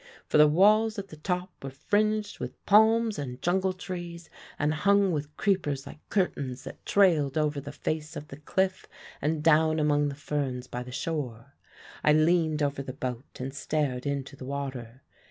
For the walls at the top were fringed with palms and jungle trees, and hung with creepers like curtains that trailed over the face of the cliff and down among the ferns by the shore. I leaned over the boat and stared into the water.